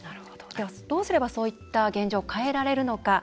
では、どうすればそういった現状を変えられるのか。